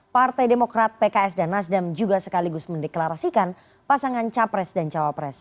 partai demokrat pks dan nasdem juga sekaligus mendeklarasikan pasangan capres dan cawapres